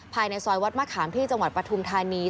ภายในซอยวัดมะขามที่จังหวัดปฐุมธานี